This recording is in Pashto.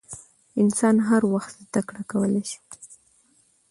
انسان هر وخت زدکړه کولای سي .